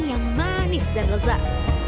yang manis dan lezat